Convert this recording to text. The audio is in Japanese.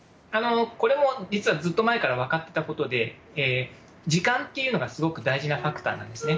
これも実は、ずっと前から分かってたことで、時間っていうのがすごく大事なファクターなんですね。